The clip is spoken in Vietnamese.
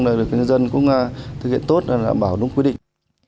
người dân cũng thực hiện tốt và bảo đúng quy định